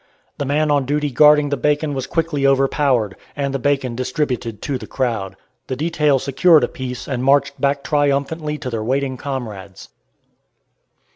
The man on duty guarding the bacon was quickly overpowered, and the bacon distributed to the crowd. The detail secured a piece and marched back triumphantly to their waiting comrades.